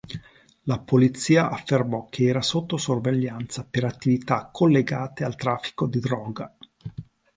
La polizia affermò che era sotto sorveglianza per attività collegate al traffico di droga.